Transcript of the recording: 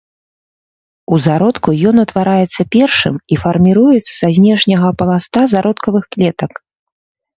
У зародку ён утвараецца першым і фарміруецца са знешняга пласта зародкавых клетак.